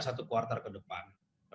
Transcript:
satu kuartal ke depan